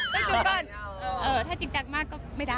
เดี๋ยวดูก่อนถ้าจริงจังมากก็ไม่ได้